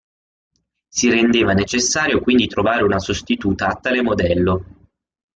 Si rendeva necessario quindi trovare una sostituta a tale modello.